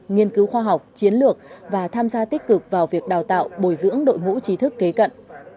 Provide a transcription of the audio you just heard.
nghiên cứu khoa học chiến lược và tham gia tích cực vào việc đào tạo bồi dưỡng đội ngũ trí thức kế cận